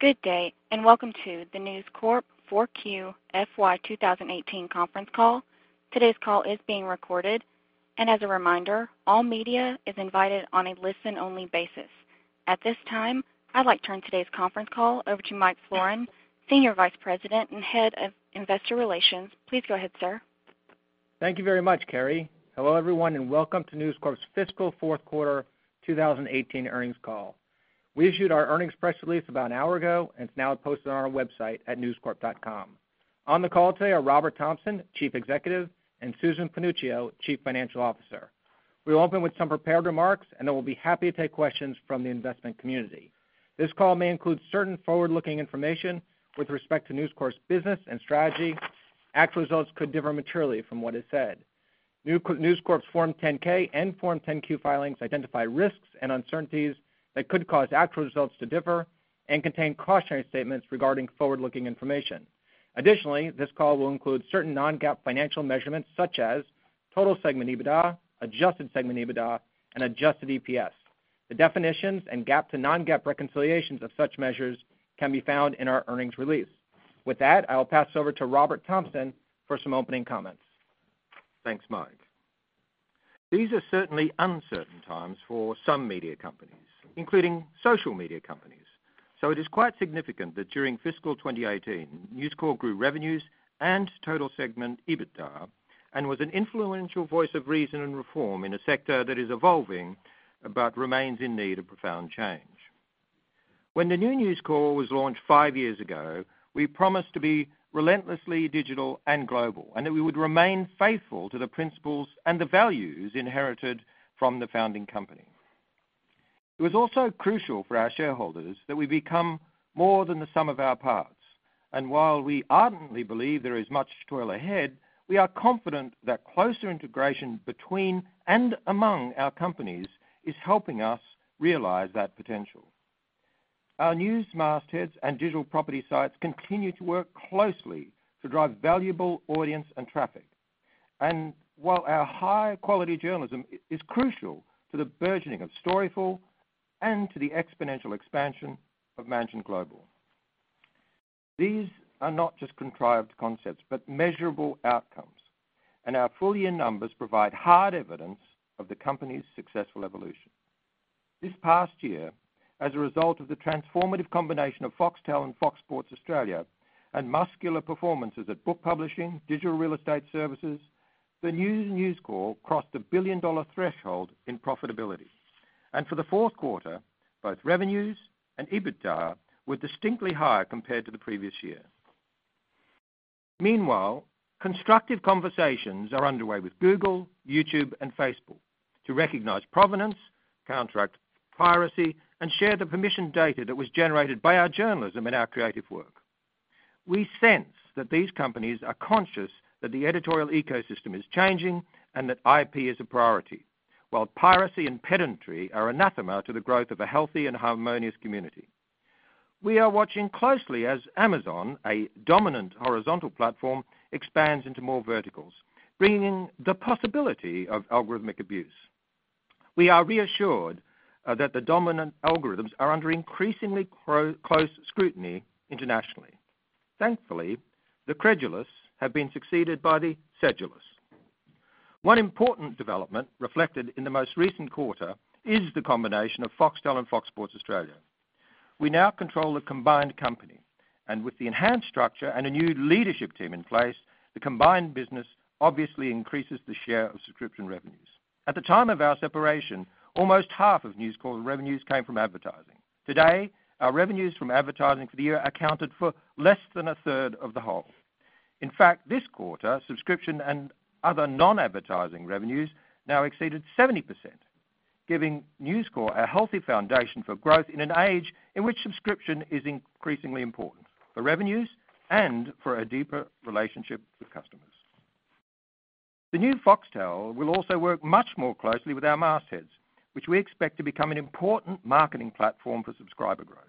Good day. Welcome to the News Corp 4Q FY 2018 conference call. Today's call is being recorded. As a reminder, all media is invited on a listen-only basis. At this time, I'd like to turn today's conference call over to Michael Florin, Senior Vice President and Head of Investor Relations. Please go ahead, sir. Thank you very much, Carrie. Hello, everyone. Welcome to News Corp's fiscal fourth quarter 2018 earnings call. We issued our earnings press release about an hour ago. It's now posted on our website at newscorp.com. On the call today are Robert Thomson, Chief Executive, and Susan Panuccio, Chief Financial Officer. We'll open with some prepared remarks. Then we'll be happy to take questions from the investment community. This call may include certain forward-looking information with respect to News Corp's business and strategy. Actual results could differ materially from what is said. News Corp's Form 10-K and Form 10-Q filings identify risks and uncertainties that could cause actual results to differ and contain cautionary statements regarding forward-looking information. Additionally, this call will include certain non-GAAP financial measures such as total segment EBITDA, adjusted segment EBITDA, and adjusted EPS. The definitions and GAAP to non-GAAP reconciliations of such measures can be found in our earnings release. With that, I will pass over to Robert Thomson for some opening comments. Thanks, Mike. These are certainly uncertain times for some media companies, including social media companies. It is quite significant that during fiscal 2018, News Corp grew revenues and total segment EBITDA and was an influential voice of reason and reform in a sector that is evolving but remains in need of profound change. When the new News Corp was launched five years ago, we promised to be relentlessly digital and global. That we would remain faithful to the principles and the values inherited from the founding company. It was also crucial for our shareholders that we become more than the sum of our parts. While we ardently believe there is much toil ahead, we are confident that closer integration between and among our companies is helping us realize that potential. Our news mastheads and digital property sites continue to work closely to drive valuable audience and traffic. While our high-quality journalism is crucial to the burgeoning of Storyful and to the exponential expansion of Mansion Global. These are not just contrived concepts but measurable outcomes, and our full-year numbers provide hard evidence of the company's successful evolution. This past year, as a result of the transformative combination of Foxtel and Fox Sports Australia, muscular performances at book publishing, digital real estate services, the new News Corp crossed the billion-dollar threshold in profitability. For the fourth quarter, both revenues and EBITDA were distinctly higher compared to the previous year. Meanwhile, constructive conversations are underway with Google, YouTube, and Facebook to recognize provenance, counteract piracy, and share the permission data that was generated by our journalism and our creative work. We sense that these companies are conscious that the editorial ecosystem is changing and that IP is a priority, while piracy and pedantry are anathema to the growth of a healthy and harmonious community. We are watching closely as Amazon, a dominant horizontal platform, expands into more verticals, bringing the possibility of algorithmic abuse. We are reassured that the dominant algorithms are under increasingly close scrutiny internationally. Thankfully, the credulous have been succeeded by the sedulous. One important development reflected in the most recent quarter is the combination of Foxtel and Fox Sports Australia. We now control a combined company, and with the enhanced structure and a new leadership team in place, the combined business obviously increases the share of subscription revenues. At the time of our separation, almost half of News Corp's revenues came from advertising. Today, our revenues from advertising for the year accounted for less than a third of the whole. In fact, this quarter, subscription and other non-advertising revenues now exceeded 70%, giving News Corp a healthy foundation for growth in an age in which subscription is increasingly important for revenues and for a deeper relationship with customers. The new Foxtel will also work much more closely with our mastheads, which we expect to become an important marketing platform for subscriber growth.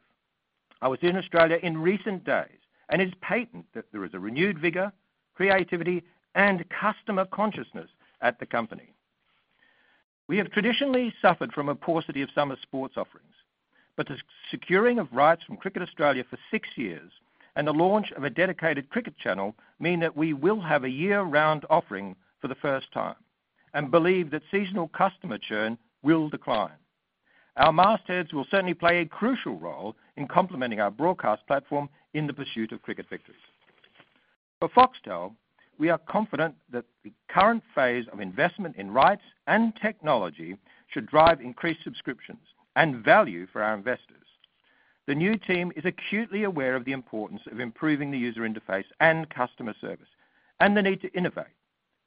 I was in Australia in recent days, it is patent that there is a renewed vigor, creativity, and customer consciousness at the company. We have traditionally suffered from a paucity of summer sports offerings, the securing of rights from Cricket Australia for six years and the launch of a dedicated cricket channel mean that we will have a year-round offering for the first time and believe that seasonal customer churn will decline. Our mastheads will certainly play a crucial role in complementing our broadcast platform in the pursuit of cricket victories. For Foxtel, we are confident that the current phase of investment in rights and technology should drive increased subscriptions and value for our investors. The new team is acutely aware of the importance of improving the user interface and customer service and the need to innovate,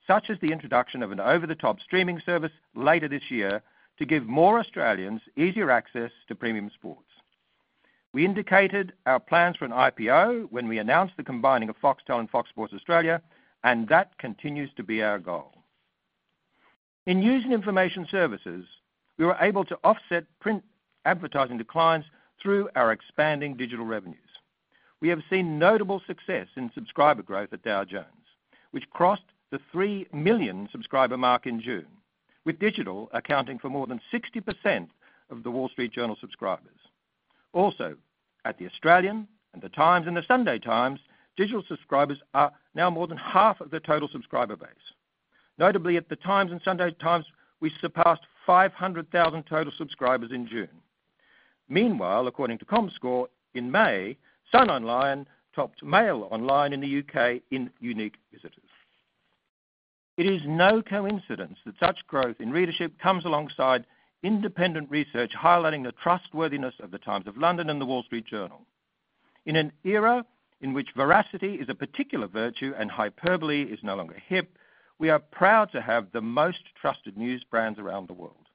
such as the introduction of an over-the-top streaming service later this year to give more Australians easier access to premium sports. We indicated our plans for an IPO when we announced the combining of Foxtel and Fox Sports Australia. That continues to be our goal. In user information services, we were able to offset print advertising declines through our expanding digital revenues. We have seen notable success in subscriber growth at Dow Jones, which crossed the 3 million subscriber mark in June, with digital accounting for more than 60% of The Wall Street Journal subscribers. Also, at The Australian, and The Times, and The Sunday Times, digital subscribers are now more than half of their total subscriber base. Notably, at The Times and The Sunday Times, we surpassed 500,000 total subscribers in June. Meanwhile, according to Comscore, in May, Sun Online topped MailOnline in the U.K. in unique visitors. It is no coincidence that such growth in readership comes alongside independent research highlighting the trustworthiness of The Times of London and The Wall Street Journal. In an era in which veracity is a particular virtue and hyperbole is no longer hip, we are proud to have the most trusted news brands around the world.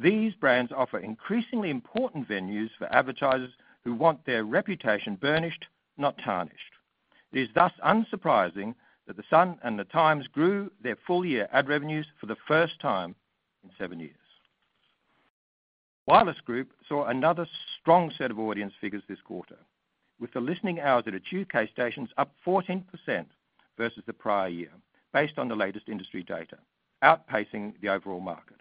These brands offer increasingly important venues for advertisers who want their reputation burnished, not tarnished. It is thus unsurprising that The Sun and The Times grew their full-year ad revenues for the first time in 7 years. Wireless Group saw another strong set of audience figures this quarter, with the listening hours at its U.K. stations up 14% versus the prior year based on the latest industry data, outpacing the overall market.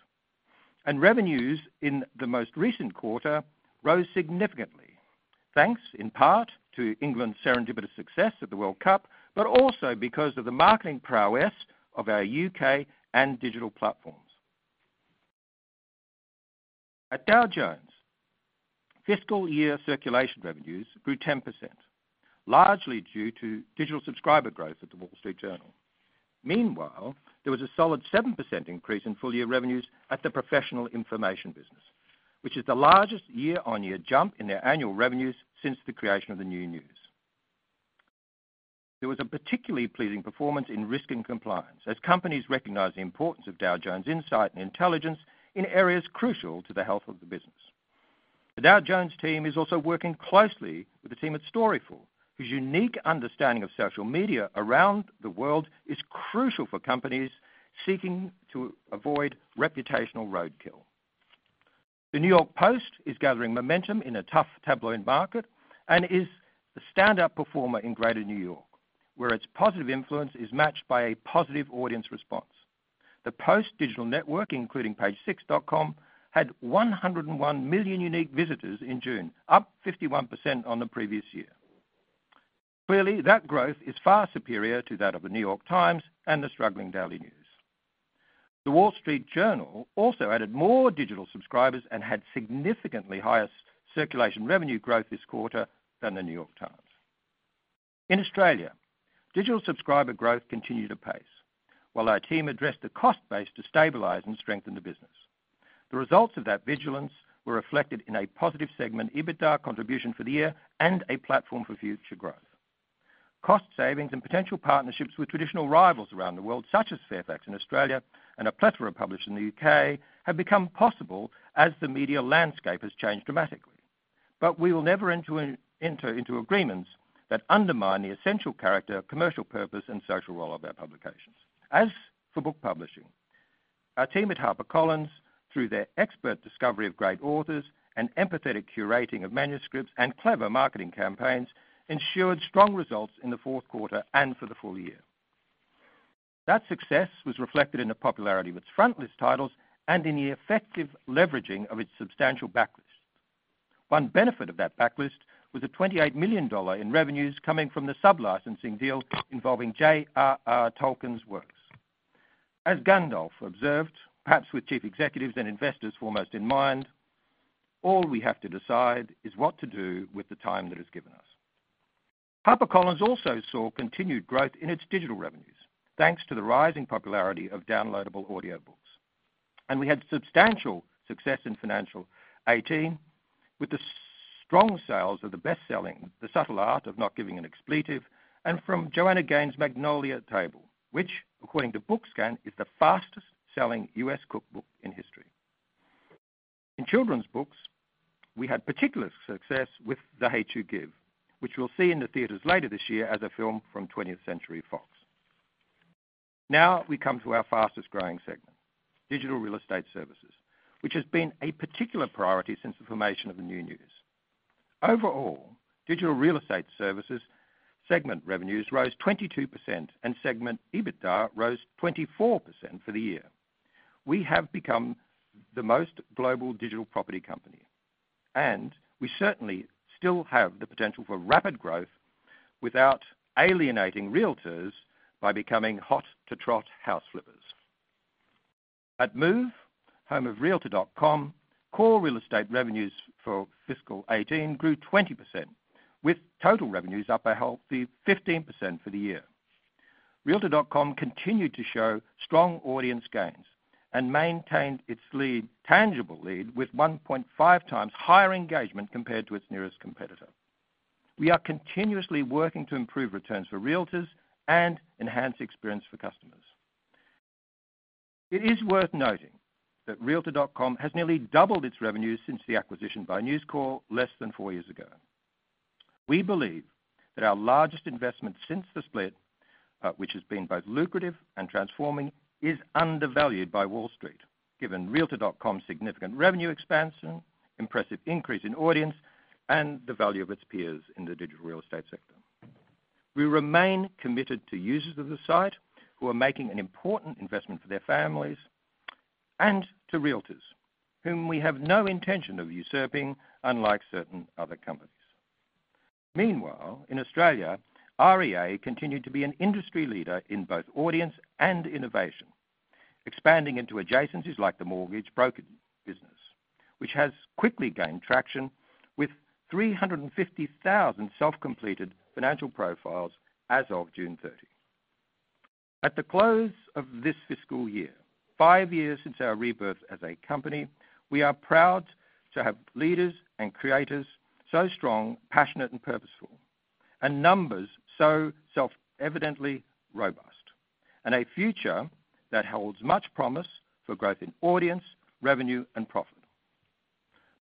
Revenues in the most recent quarter rose significantly, thanks in part to England's serendipitous success at the World Cup, but also because of the marketing prowess of our U.K. and digital platforms. At Dow Jones, fiscal year circulation revenues grew 10%, largely due to digital subscriber growth at The Wall Street Journal. Meanwhile, there was a solid 7% increase in full-year revenues at the professional information business, which is the largest year-on-year jump in their annual revenues since the creation of the New News. There was a particularly pleasing performance in risk and compliance as companies recognize the importance of Dow Jones' insight and intelligence in areas crucial to the health of the business. The Dow Jones team is also working closely with the team at Storyful, whose unique understanding of social media around the world is crucial for companies seeking to avoid reputational roadkill. The New York Post is gathering momentum in a tough tabloid market and is the standout performer in greater New York, where its positive influence is matched by a positive audience response. The Post digital network, including pagesix.com, had 101 million unique visitors in June, up 51% on the previous year. Clearly, that growth is far superior to that of The New York Times and the struggling Daily News. The Wall Street Journal also added more digital subscribers and had significantly higher circulation revenue growth this quarter than The New York Times. In Australia, digital subscriber growth continued apace, while our team addressed the cost base to stabilize and strengthen the business. The results of that vigilance were reflected in a positive segment EBITDA contribution for the year and a platform for future growth. Cost savings and potential partnerships with traditional rivals around the world, such as Fairfax in Australia and a plethora of publishers in the U.K., have become possible as the media landscape has changed dramatically. We will never enter into agreements that undermine the essential character, commercial purpose, and social role of our publications. As for book publishing, our team at HarperCollins, through their expert discovery of great authors and empathetic curating of manuscripts and clever marketing campaigns, ensured strong results in the fourth quarter and for the full year. That success was reflected in the popularity of its frontlist titles and in the effective leveraging of its substantial backlist. One benefit of that backlist was a $28 million in revenues coming from the sublicensing deal involving J.R.R. Tolkien's works. As Gandalf observed, perhaps with chief executives and investors foremost in mind, "All we have to decide is what to do with the time that is given us." HarperCollins also saw continued growth in its digital revenues, thanks to the rising popularity of downloadable audiobooks. We had substantial success in financial 2018 with the strong sales of the best-selling "The Subtle Art of Not Giving a F*ck" and from Joanna Gaines' Magnolia Table, which, according to BookScan, is the fastest-selling U.S. cookbook in history. In children's books, we had particular success with "The Hate U Give," which we'll see in the theaters later this year as a film from 20th Century Fox. We come to our fastest-growing segment, digital real estate services, which has been a particular priority since the formation of the new News Corp. Overall, digital real estate services segment revenues rose 22%, and segment EBITDA rose 24% for the year. We have become the most global digital property company, and we certainly still have the potential for rapid growth without alienating Realtors by becoming hot-to-trot house flippers. At Move, home of realtor.com, core real estate revenues for fiscal 2018 grew 20%, with total revenues up a healthy 15% for the year. realtor.com continued to show strong audience gains and maintained its tangible lead with 1.5 times higher engagement compared to its nearest competitor. We are continuously working to improve returns for Realtors and enhance experience for customers. It is worth noting that realtor.com has nearly doubled its revenues since the acquisition by News Corp less than four years ago. We believe that our largest investment since the split, which has been both lucrative and transforming, is undervalued by Wall Street, given realtor.com's significant revenue expansion, impressive increase in audience, and the value of its peers in the digital real estate sector. We remain committed to users of the site who are making an important investment for their families, and to Realtors whom we have no intention of usurping, unlike certain other companies. Meanwhile, in Australia, REA continued to be an industry leader in both audience and innovation, expanding into adjacencies like the mortgage brokering business, which has quickly gained traction with 350,000 self-completed financial profiles as of June 30. At the close of this fiscal year, five years since our rebirth as a company, we are proud to have leaders and creators so strong, passionate, and purposeful, and numbers so self-evidently robust, and a future that holds much promise for growth in audience, revenue, and profit.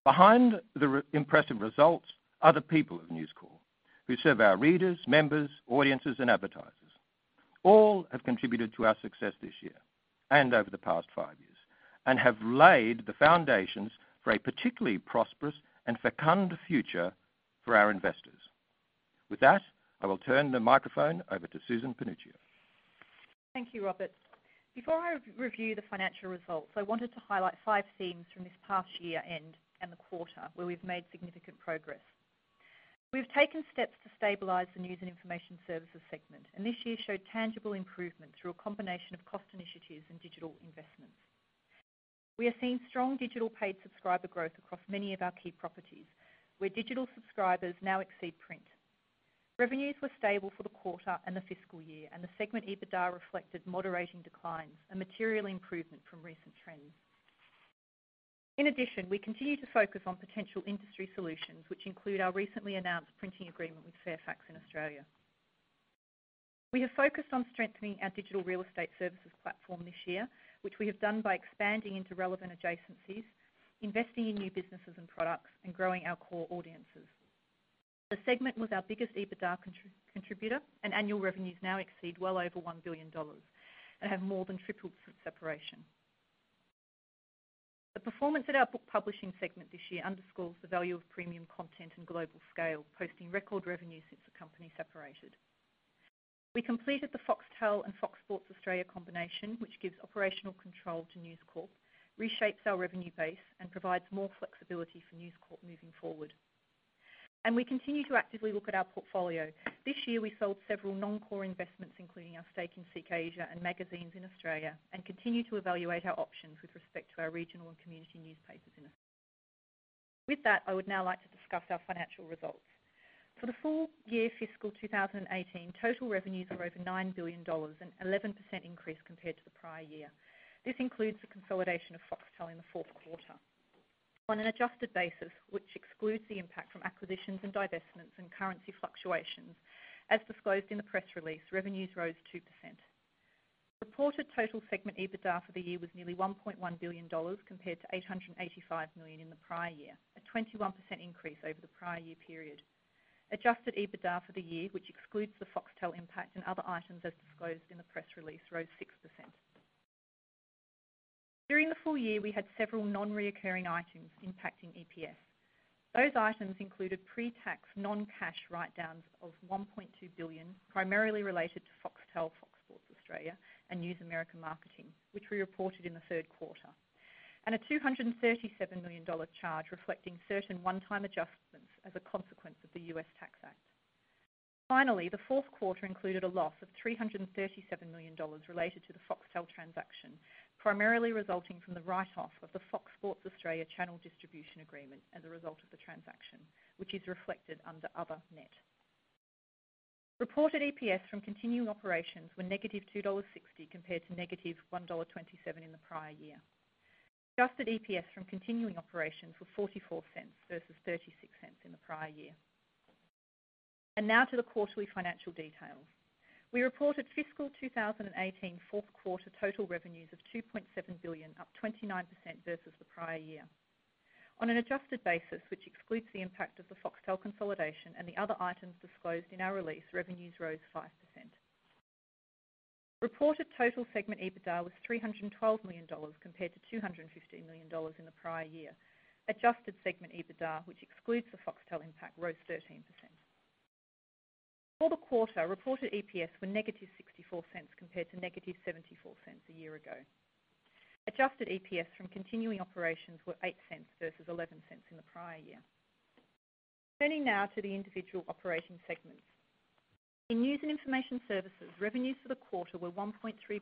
Behind the impressive results are the people of News Corp who serve our readers, members, audiences, and advertisers. All have contributed to our success this year and over the past five years, and have laid the foundations for a particularly prosperous and fecund future for our investors. With that, I will turn the microphone over to Susan Panuccio. Thank you, Robert. Before I review the financial results, I wanted to highlight five themes from this past year-end and the quarter where we've made significant progress. We've taken steps to stabilize the news and information services segment. This year showed tangible improvement through a combination of cost initiatives and digital investments. We are seeing strong digital paid subscriber growth across many of our key properties, where digital subscribers now exceed print. Revenues were stable for the quarter and the fiscal year, and the segment EBITDA reflected moderating declines, a material improvement from recent trends. In addition, we continue to focus on potential industry solutions, which include our recently announced printing agreement with Fairfax in Australia. We have focused on strengthening our digital real estate services platform this year, which we have done by expanding into relevant adjacencies, investing in new businesses and products, and growing our core audiences. The segment was our biggest EBITDA contributor and annual revenues now exceed well over $1 billion, and have more than tripled since separation. The performance at our book publishing segment this year underscores the value of premium content and global scale, posting record revenue since the company separated. We completed the Foxtel and Fox Sports Australia combination, which gives operational control to News Corp, reshapes our revenue base, and provides more flexibility for News Corp moving forward. We continue to actively look at our portfolio. This year, we sold several non-core investments, including our stake in SEEK Asia and magazines in Australia, and continue to evaluate our options with respect to our regional and community newspapers in Australia. With that, I would now like to discuss our financial results. For the full year fiscal 2018, total revenues were over $9 billion, an 11% increase compared to the prior year. This includes the consolidation of Foxtel in the fourth quarter. On an adjusted basis, which excludes the impact from acquisitions and divestments and currency fluctuations, as disclosed in the press release, revenues rose 2%. Reported total segment EBITDA for the year was nearly $1.1 billion, compared to $885 million in the prior year, a 21% increase over the prior year period. Adjusted EBITDA for the year, which excludes the Foxtel impact and other items as disclosed in the press release, rose 6%. During the full year, we had several non-reoccurring items impacting EPS. Those items included pre-tax non-cash write-downs of $1.2 billion, primarily related to Foxtel, Fox Sports Australia, and News America Marketing, which we reported in the third quarter, and a $237 million charge reflecting certain one-time adjustments as a consequence of the U.S. Tax Act. Finally, the fourth quarter included a loss of $337 million related to the Foxtel transaction, primarily resulting from the write-off of the Fox Sports Australia channel distribution agreement as a result of the transaction, which is reflected under other net. Reported EPS from continuing operations were negative $2.60, compared to negative $1.27 in the prior year. Adjusted EPS from continuing operations were $0.44 versus $0.36 in the prior year. Now to the quarterly financial details. We reported fiscal 2018 fourth quarter total revenues of $2.7 billion, up 29% versus the prior year. On an adjusted basis, which excludes the impact of the Foxtel consolidation and the other items disclosed in our release, revenues rose 5%. Reported total segment EBITDA was $312 million, compared to $250 million in the prior year. Adjusted segment EBITDA, which excludes the Foxtel impact, rose 13%. For the quarter, reported EPS were negative $0.64, compared to negative $0.74 a year ago. Adjusted EPS from continuing operations were $0.08 versus $0.11 in the prior year. Turning now to the individual operating segments. In News and Information Services, revenues for the quarter were $1.3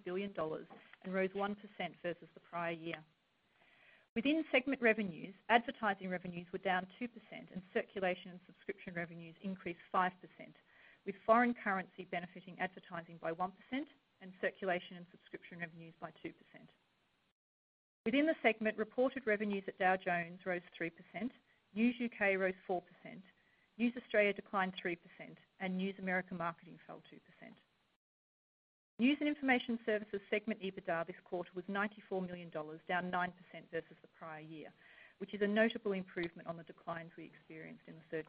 billion and rose 1% versus the prior year. Within segment revenues, advertising revenues were down 2% and circulation and subscription revenues increased 5%, with foreign currency benefiting advertising by 1% and circulation and subscription revenues by 2%. Within the segment, reported revenues at Dow Jones rose 3%, News UK rose 4%, News Australia declined 3%, and News America Marketing fell 2%. News and Information Services segment EBITDA this quarter was $94 million, down 9% versus the prior year, which is a notable improvement on the declines we experienced in the third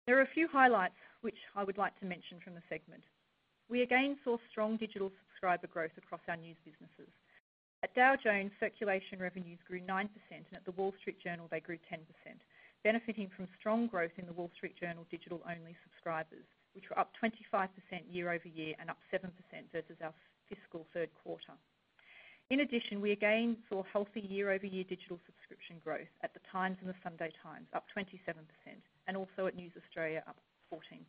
quarter. There are a few highlights which I would like to mention from the segment. We again saw strong digital subscriber growth across our news businesses. At Dow Jones, circulation revenues grew 9%, and at The Wall Street Journal, they grew 10%, benefiting from strong growth in The Wall Street Journal digital-only subscribers, which were up 25% year-over-year and up 7% versus our fiscal third quarter. In addition, we again saw healthy year-over-year digital subscription growth at The Times and The Sunday Times, up 27%, and also at News Australia, up 14%.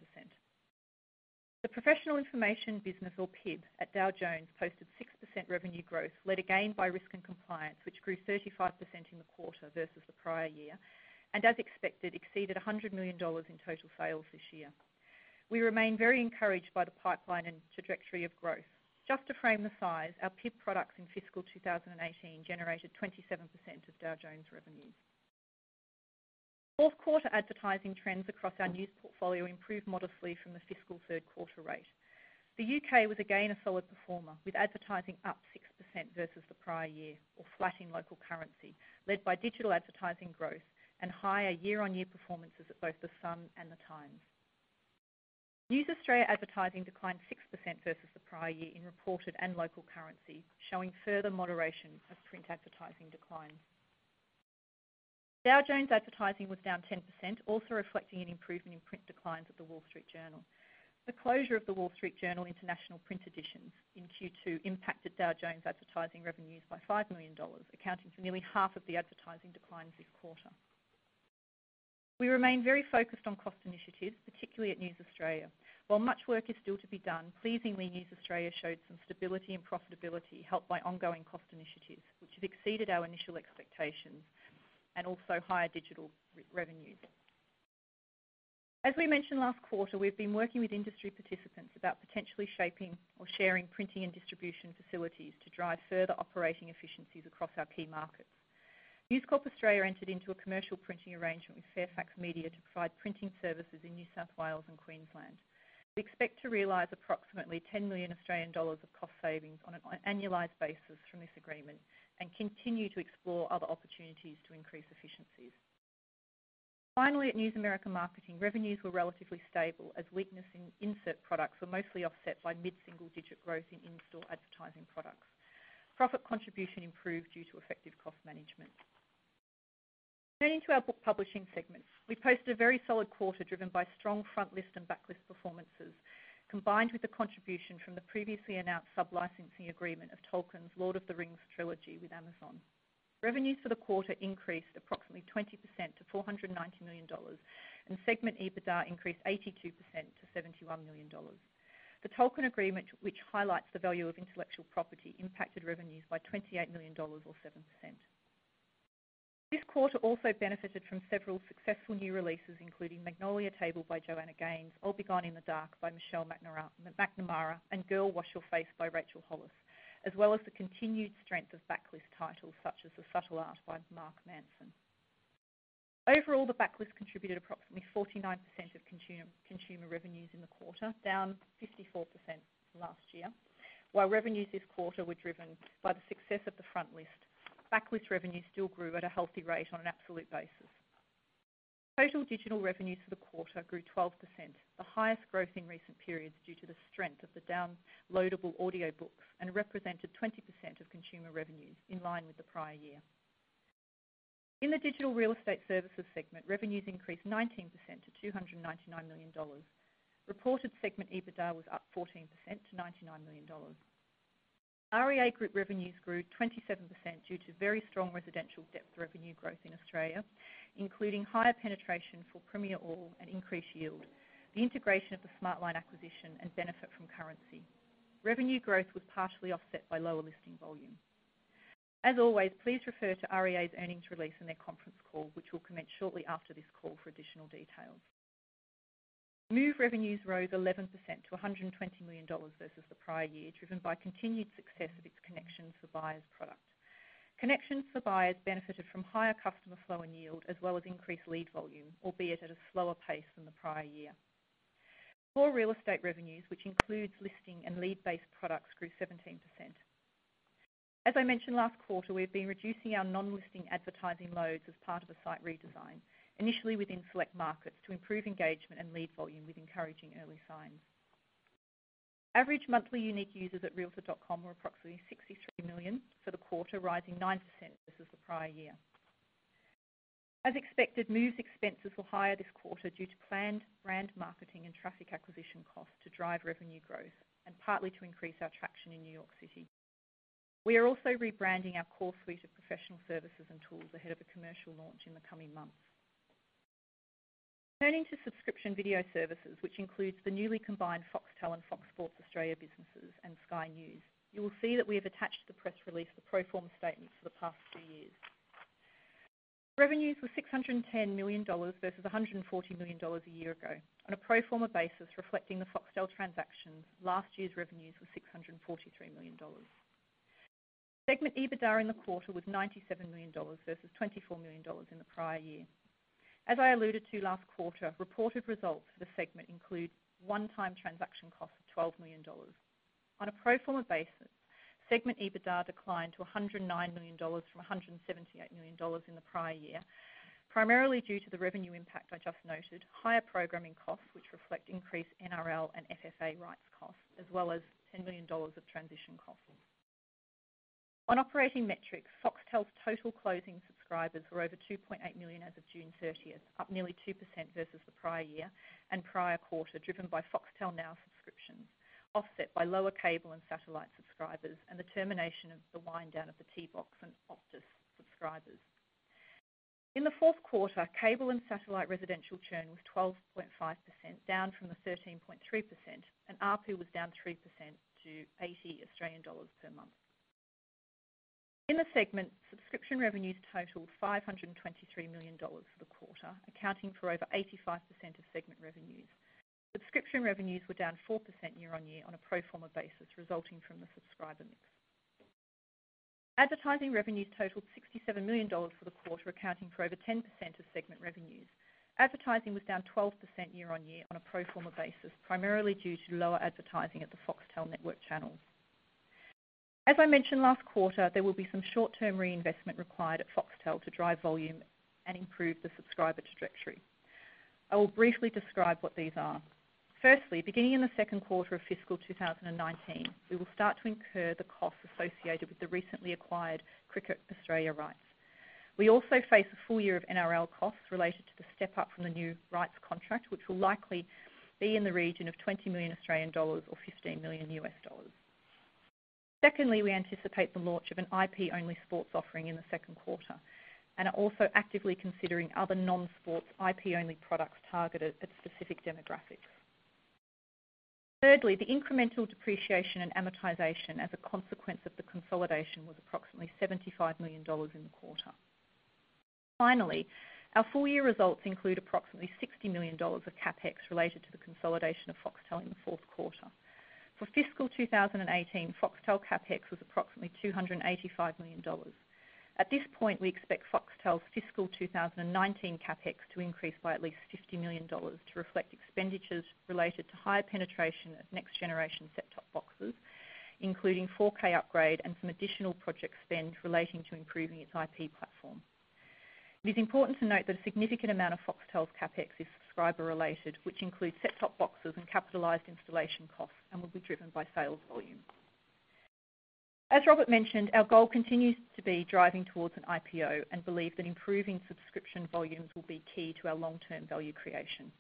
The Professional Information Business, or PIB, at Dow Jones posted 6% revenue growth, led again by risk and compliance, which grew 35% in the quarter versus the prior year, and as expected, exceeded $100 million in total sales this year. We remain very encouraged by the pipeline and trajectory of growth. Just to frame the size, our PIB products in fiscal 2018 generated 27% of Dow Jones revenues. Fourth quarter advertising trends across our news portfolio improved modestly from the fiscal third quarter rate. The U.K. was again a solid performer, with advertising up 6% versus the prior year, or flat in local currency, led by digital advertising growth and higher year-on-year performances at both The Sun and The Times. News Australia advertising declined 6% versus the prior year in reported and local currency, showing further moderation of print advertising declines. Dow Jones advertising was down 10%, also reflecting an improvement in print declines at The Wall Street Journal. The closure of The Wall Street Journal International print editions in Q2 impacted Dow Jones advertising revenues by $5 million, accounting for nearly half of the advertising decline this quarter. We remain very focused on cost initiatives, particularly at News Australia. While much work is still to be done, pleasingly, News Corp Australia showed some stability and profitability helped by ongoing cost initiatives, which have exceeded our initial expectations, and also higher digital revenues. As we mentioned last quarter, we've been working with industry participants about potentially shaping or sharing printing and distribution facilities to drive further operating efficiencies across our key markets. News Corp Australia entered into a commercial printing arrangement with Fairfax Media to provide printing services in New South Wales and Queensland. We expect to realize approximately 10 million Australian dollars of cost savings on an annualized basis from this agreement and continue to explore other opportunities to increase efficiencies. Finally, at News America Marketing, revenues were relatively stable as weakness in insert products were mostly offset by mid-single-digit growth in in-store advertising products. Profit contribution improved due to effective cost management. Turning to our Book Publishing segment. We posted a very solid quarter driven by strong frontlist and backlist performances, combined with the contribution from the previously announced sub-licensing agreement of J.R.R. Tolkien's "The Lord of the Rings" trilogy with Amazon. Revenues for the quarter increased approximately 20% to $490 million, and segment EBITDA increased 82% to $71 million. The Tolkien agreement, which highlights the value of intellectual property, impacted revenues by $28 million or 7%. This quarter also benefited from several successful new releases, including "Magnolia Table" by Joanna Gaines, "I'll Be Gone in the Dark" by Michelle McNamara, and "Girl, Wash Your Face" by Rachel Hollis, as well as the continued strength of backlist titles such as "The Subtle Art" by Mark Manson. Overall, the backlist contributed approximately 49% of consumer revenues in the quarter, down 54% last year. While revenues this quarter were driven by the success of the frontlist, backlist revenues still grew at a healthy rate on an absolute basis. Total digital revenues for the quarter grew 12%, the highest growth in recent periods due to the strength of the downloadable audiobook, and represented 20% of consumer revenues in line with the prior year. In the Digital Real Estate Services segment, revenues increased 19% to $299 million. Reported segment EBITDA was up 14% to $99 million. REA Group revenues grew 27% due to very strong residential depth revenue growth in Australia, including higher penetration for Premiere All and increased yield, the integration of the Smartline acquisition, and benefit from currency. Revenue growth was partially offset by lower listing volume. As always, please refer to REA's earnings release and their conference call, which will commence shortly after this call for additional details. Move revenues rose 11% to $120 million versus the prior year, driven by continued success of its Connections for Buyers product. Connections for Buyers benefited from higher customer flow and yield as well as increased lead volume, albeit at a slower pace than the prior year. Core real estate revenues, which includes listing and lead-based products, grew 17%. As I mentioned last quarter, we've been reducing our non-listing advertising loads as part of a site redesign, initially within select markets to improve engagement and lead volume with encouraging early signs. Average monthly unique users at realtor.com were approximately 63 million for the quarter, rising 9% versus the prior year. As expected, Move's expenses were higher this quarter due to planned brand marketing and traffic acquisition costs to drive revenue growth and partly to increase our traction in New York City. We are also rebranding our core suite of professional services and tools ahead of a commercial launch in the coming months. Turning to Subscription Video Services, which includes the newly combined Foxtel and Fox Sports Australia businesses and Sky News. You will see that we have attached to the press release the pro forma statements for the past three years. Revenues were $610 million versus $140 million a year ago. On a pro forma basis reflecting the Foxtel transaction, last year's revenues were $643 million. Segment EBITDA in the quarter was $97 million versus $24 million in the prior year. As I alluded to last quarter, reported results for the segment include one-time transaction cost of $12 million. On a pro forma basis, segment EBITDA declined to $109 million from $178 million in the prior year, primarily due to the revenue impact I just noted, higher programming costs, which reflect increased NRL and FFA rights costs, as well as $10 million of transition costs. On operating metrics, Foxtel's total closing subscribers were over 2.8 million as of June 30th, up nearly 2% versus the prior year and prior quarter, driven by Foxtel Now subscriptions, offset by lower cable and satellite subscribers and the termination of the wind down of the T-Box and Optus subscribers. In the fourth quarter, cable and satellite residential churn was 12.5%, down from 13.3%, and ARPU was down 3% to 80 Australian dollars per month. In the segment, subscription revenues totaled $523 million for the quarter, accounting for over 85% of segment revenues. Subscription revenues were down 4% year-on-year on a pro forma basis, resulting from the subscriber mix. Advertising revenues totaled $67 million for the quarter, accounting for over 10% of segment revenues. Advertising was down 12% year-on-year on a pro forma basis, primarily due to lower advertising at the Foxtel network channels. As I mentioned last quarter, there will be some short-term reinvestment required at Foxtel to drive volume and improve the subscriber trajectory. I will briefly describe what these are. Firstly, beginning in the second quarter of fiscal 2019, we will start to incur the costs associated with the recently acquired Cricket Australia rights. We also face a full year of NRL costs related to the step-up from the new rights contract, which will likely be in the region of 20 million Australian dollars or $15 million. Secondly, we anticipate the launch of an IP-only sports offering in the second quarter and are also actively considering other non-sports IP-only products targeted at specific demographics. Thirdly, the incremental depreciation and amortization as a consequence of the consolidation was approximately $75 million in the quarter. Finally, our full-year results include approximately $60 million of CapEx related to the consolidation of Foxtel in the fourth quarter. For fiscal 2018, Foxtel CapEx was approximately $285 million. At this point, we expect Foxtel's fiscal 2019 CapEx to increase by at least $50 million to reflect expenditures related to higher penetration of next-generation set-top boxes, including 4K upgrade and some additional project spend relating to improving its IP platform. It is important to note that a significant amount of Foxtel's CapEx is subscriber-related, which includes set-top boxes and capitalized installation costs and will be driven by sales volume. As Robert mentioned, our goal continues to be driving towards an IPO and believe that improving subscription volumes will be key to our long-term value creation.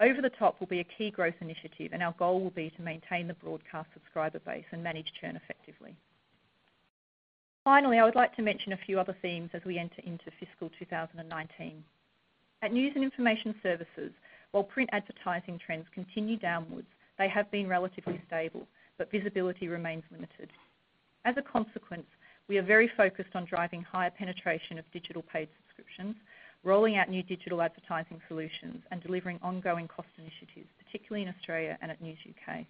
Over-the-top will be a key growth initiative, and our goal will be to maintain the broadcast subscriber base and manage churn effectively. I would like to mention a few other themes as we enter into fiscal 2019. At News & Information Services, while print advertising trends continue downwards, they have been relatively stable, but visibility remains limited. As a consequence, we are very focused on driving higher penetration of digital paid subscriptions, rolling out new digital advertising solutions, and delivering ongoing cost initiatives, particularly in Australia and at News UK.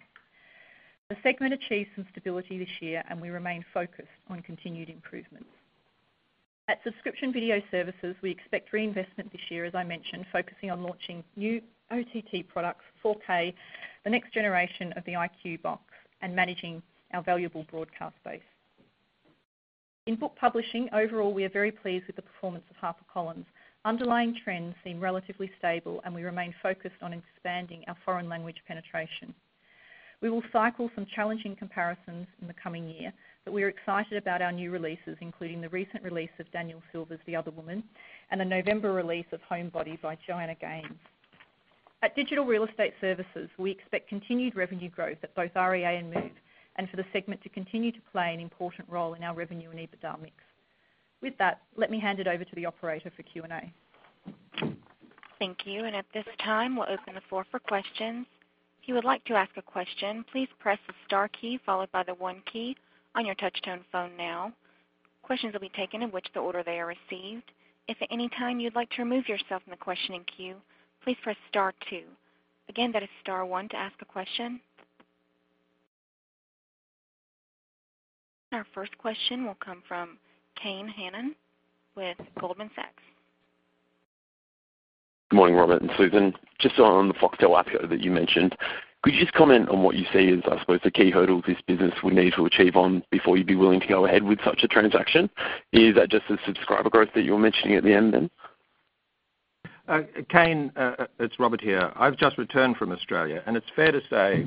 The segment achieved some stability this year, and we remain focused on continued improvements. At Subscription Video Services, we expect reinvestment this year, as I mentioned, focusing on launching new OTT products, 4K, the next generation of the iQ box, and managing our valuable broadcast base. In Book Publishing, overall, we are very pleased with the performance of HarperCollins. Underlying trends seem relatively stable, and we remain focused on expanding our foreign language penetration. We will cycle some challenging comparisons in the coming year, but we are excited about our new releases, including the recent release of Danielle Steel's "The Other Woman" and the November release of "Homebody" by Joanna Gaines. At Digital Real Estate Services, we expect continued revenue growth at both REA and Move and for the segment to continue to play an important role in our revenue and EBITDA mix. With that, let me hand it over to the operator for Q&A. Thank you. At this time, we'll open the floor for questions. If you would like to ask a question, please press the star key followed by the one key on your touch-tone phone now. Questions will be taken in which the order they are received. If at any time you'd like to remove yourself from the questioning queue, please press star two. Again, that is star one to ask a question. Our first question will come from Kane Hannan with Goldman Sachs. Good morning, Robert and Susan. Just on the Foxtel IPO that you mentioned, could you just comment on what you see as, I suppose, the key hurdle this business would need to achieve on before you'd be willing to go ahead with such a transaction? Is that just the subscriber growth that you were mentioning at the end then? Kane, it's Robert here. I've just returned from Australia, and it's fair to say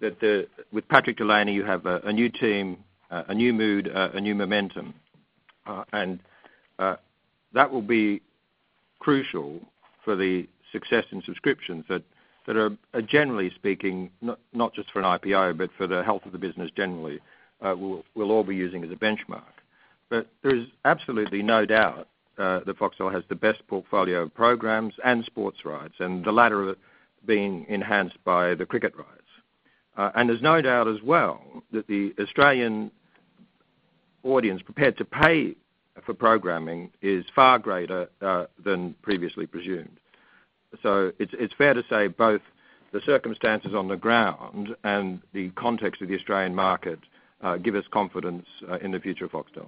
that with Patrick Delany, you have a new team, a new mood, a new momentum. That will be crucial for the success in subscriptions that are, generally speaking, not just for an IPO, but for the health of the business generally, we'll all be using as a benchmark. There is absolutely no doubt that Foxtel has the best portfolio of programs and sports rights, and the latter being enhanced by the cricket rights. There's no doubt as well that the Australian audience prepared to pay for programming is far greater than previously presumed. It's fair to say both the circumstances on the ground and the context of the Australian market give us confidence in the future of Foxtel.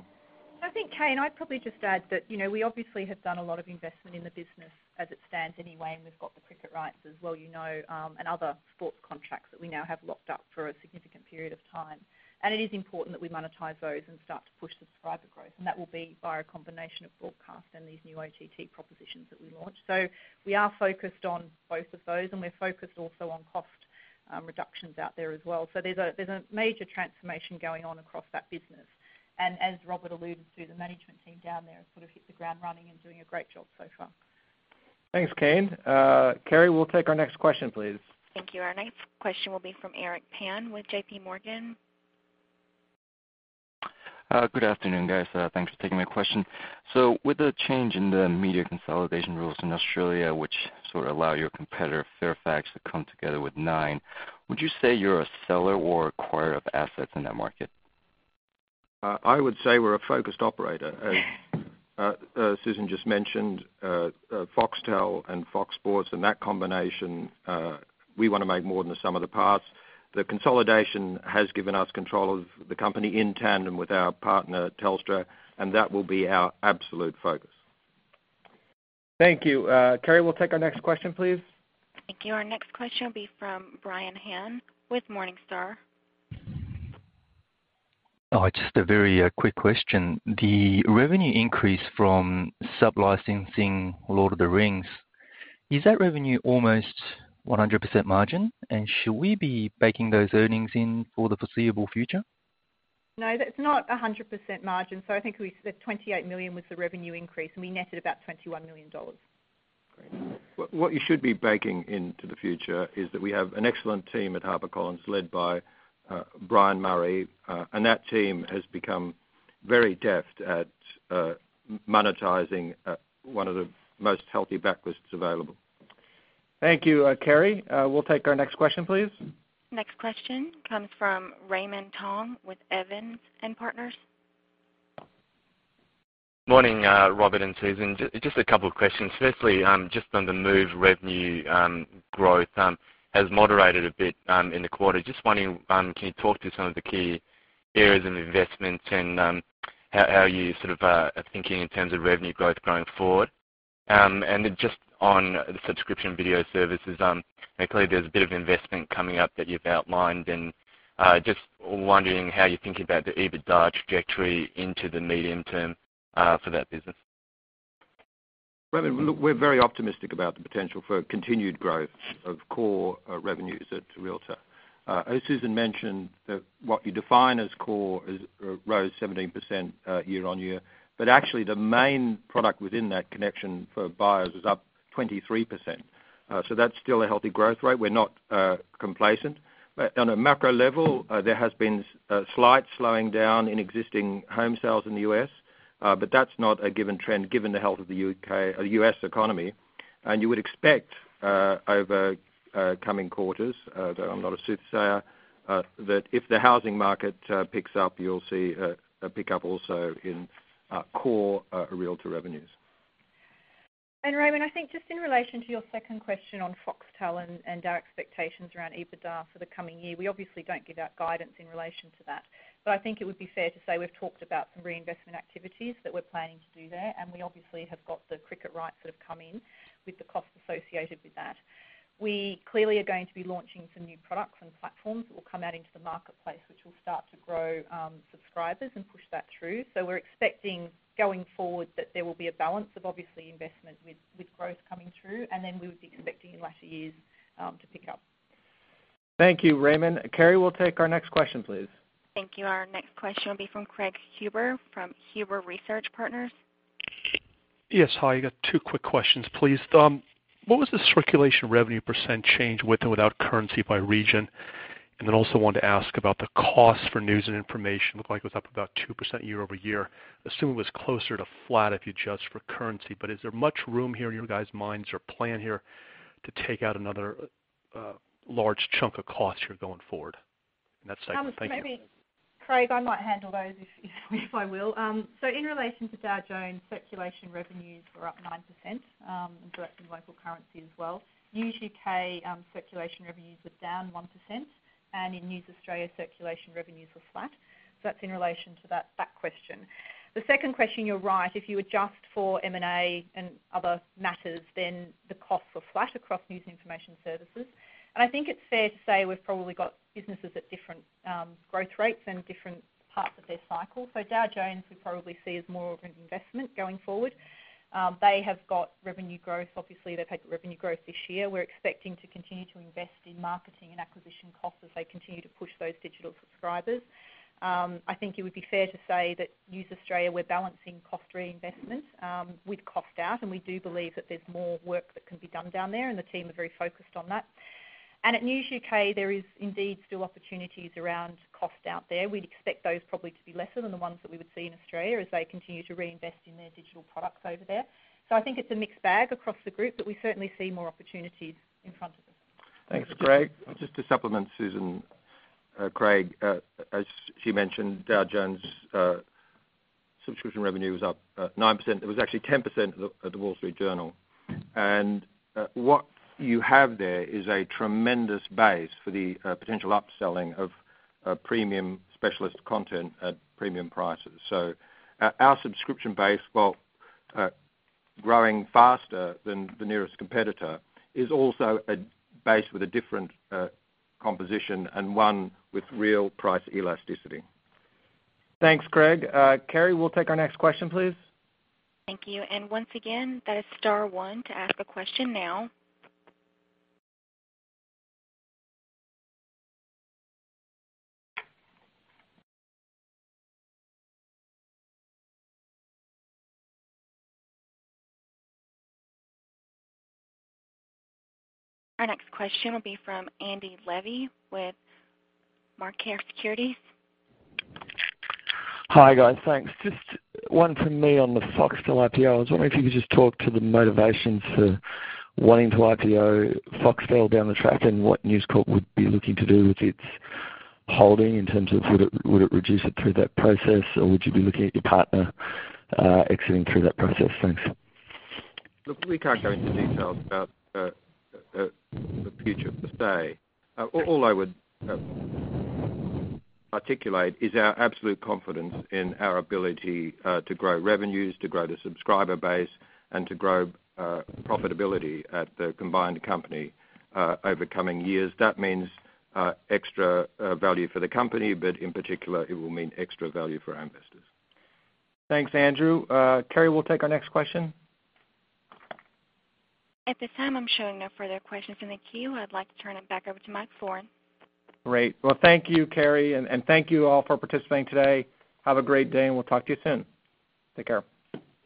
I think, Kane, I'd probably just add that we obviously have done a lot of investment in the business as it stands anyway, and we've got the cricket rights as well, and other sports contracts that we now have locked up for a significant period of time. It is important that we monetize those and start to push the subscriber growth, and that will be by a combination of broadcast and these new OTT propositions that we launch. We are focused on both of those, and we're focused also on cost reductions out there as well. There's a major transformation going on across that business. As Robert alluded to, the management team down there have hit the ground running and doing a great job so far. Thanks, Kane. Carrie, we'll take our next question, please. Thank you. Our next question will be from Eric Pan with JPMorgan. Good afternoon, guys. Thanks for taking my question. With the change in the media consolidation rules in Australia, which sort of allow your competitor, Fairfax, to come together with Nine, would you say you're a seller or acquirer of assets in that market? I would say we're a focused operator. As Susan just mentioned, Foxtel and Fox Sports, and that combination, we want to make more than the sum of the parts. The consolidation has given us control of the company in tandem with our partner, Telstra, and that will be our absolute focus. Thank you. Carrie, we'll take our next question, please. Thank you. Our next question will be from Brian Han with Morningstar. Oh, just a very quick question. The revenue increase from sub-licensing The Lord of the Rings, is that revenue almost 100% margin? Should we be baking those earnings in for the foreseeable future? No, that's not 100% margin. I think the $28 million was the revenue increase, and we netted about $21 million. Great. What you should be baking into the future is that we have an excellent team at HarperCollins led by Brian Murray, and that team has become very deft at monetizing one of the most healthy backlists available. Thank you. Carrie, we'll take our next question, please. Next question comes from Raymond Tong with Evans & Partners. Morning, Robert and Susan. Just a couple of questions. Firstly, just on the Move revenue growth has moderated a bit in the quarter. Just wondering, can you talk to some of the key areas of investment and how you are thinking in terms of revenue growth going forward? Just on the subscription video services, clearly there's a bit of investment coming up that you've outlined. Just wondering how you're thinking about the EBITDA trajectory into the medium term for that business. Raymond, look, we're very optimistic about the potential for continued growth of core revenues at Realtor. As Susan mentioned, what you define as core rose 17% year-on-year. Actually, the main product within that Connections for Buyers was up 23%. That's still a healthy growth rate. We're not complacent. On a macro level, there has been a slight slowing down in existing home sales in the U.S., but that's not a given trend given the health of the U.S. economy. You would expect over coming quarters, though I'm not a soothsayer, that if the housing market picks up, you'll see a pickup also in core Realtor revenues. Raymond, I think just in relation to your second question on Foxtel and our expectations around EBITDA for the coming year, we obviously don't give out guidance in relation to that. I think it would be fair to say we've talked about some reinvestment activities that we're planning to do there, we obviously have got the cricket rights that have come in with the costs associated with that. We clearly are going to be launching some new products and platforms that will come out into the marketplace, which will start to grow subscribers and push that through. We're expecting going forward that there will be a balance of obviously investment with growth coming through, then we would be expecting in latter years to pick up. Thank you, Raymond. Carrie, we'll take our next question, please. Thank you. Our next question will be from Craig Huber from Huber Research Partners. Yes, hi. I got two quick questions, please. What was the circulation revenue % change with or without currency by region? Then also wanted to ask about the cost for News and Information. Looked like it was up about 2% year-over-year. Assume it was closer to flat if you adjust for currency, but is there much room here in your guys' minds or plan here to take out another large chunk of cost here going forward in that segment? Thank you. Maybe Craig, I might handle those if I will. In relation to Dow Jones, circulation revenues were up 9%, in direct and local currency as well. News UK circulation revenues were down 1%, and in News Australia, circulation revenues were flat. That's in relation to that question. The second question, you're right. If you adjust for M&A and other matters, the costs were flat across News & Information Services. I think it's fair to say we've probably got businesses at different growth rates and different parts of their cycle. Dow Jones, we probably see as more of an investment going forward. They have got revenue growth, obviously they've had revenue growth this year. We're expecting to continue to invest in marketing and acquisition costs as they continue to push those digital subscribers. I think it would be fair to say that News Corp Australia, we're balancing cost reinvestments with cost out. We do believe that there's more work that can be done down there, and the team are very focused on that. At News UK, there is indeed still opportunities around cost out there. We'd expect those probably to be lesser than the ones that we would see in Australia as they continue to reinvest in their digital products over there. I think it's a mixed bag across the group, but we certainly see more opportunities in front of us. Thanks, Craig. Just to supplement Susan Panuccio, Craig, as she mentioned, Dow Jones Subscription revenue was up 9%. It was actually 10% at The Wall Street Journal. What you have there is a tremendous base for the potential upselling of premium specialist content at premium prices. Our subscription base, while growing faster than the nearest competitor, is also a base with a different composition and one with real price elasticity. Thanks, Craig. Carrie, we'll take our next question, please. Thank you. Once again, that is star one to ask a question now. Our next question will be from Andrew Levy with Macquarie Securities. Hi, guys. Thanks. Just one from me on the Foxtel IPO. I was wondering if you could just talk to the motivations for wanting to IPO Foxtel down the track, and what News Corp would be looking to do with its holding in terms of would it reduce it through that process, or would you be looking at your partner exiting through that process? Thanks. Look, we can't go into details about the future per se. All I would articulate is our absolute confidence in our ability to grow revenues, to grow the subscriber base, and to grow profitability at the combined company over coming years. That means extra value for the company, but in particular, it will mean extra value for our investors. Thanks, Andrew. Carrie, we'll take our next question. At this time, I'm showing no further questions in the queue. I'd like to turn it back over to Mike Florin. Great. Well, thank you, Carrie, and thank you all for participating today. Have a great day, and we'll talk to you soon. Take care.